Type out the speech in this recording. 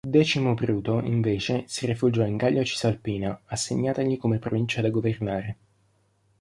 Decimo Bruto, invece, si rifugiò in Gallia Cisalpina, assegnatagli come provincia da governare.